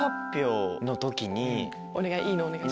お願いいいのお願いします。